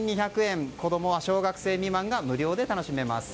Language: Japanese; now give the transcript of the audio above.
子供は小学生未満が無料で楽しめます。